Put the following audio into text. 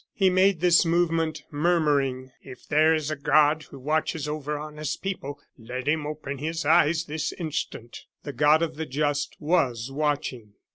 He made this movement, murmuring: "If there is a God who watches over honest people let Him open His eyes this instant!" The God of the just was watching.